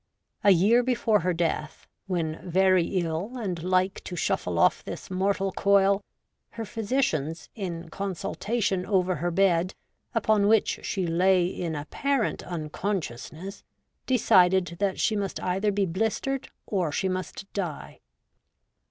A year before her death, when very ill and like to shuffle off this mortal coil, her physicians, in consultation over her bed, upon which she lay in apparent unconsciousness, decided that she must either be blistered or she must die.